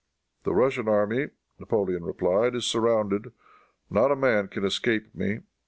"The Russian army," Napoleon replied, "is surrounded. Not a man can escape me.